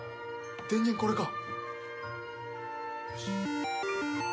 電源これか。